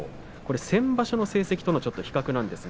先場所の成績との比較です。